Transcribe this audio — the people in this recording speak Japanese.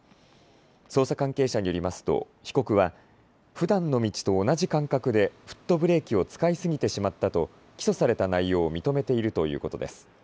捜査関係者によりますと被告はふだんの道と同じ感覚でフットブレーキを使いすぎてしまったと起訴された内容を認めているということです。